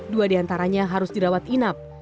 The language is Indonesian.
diantaranya harus dirawat inap